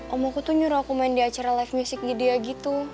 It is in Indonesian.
om aku tuh nyuruh aku main di acara live music di dia gitu